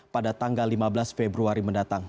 pada tanggal lima belas februari mendatang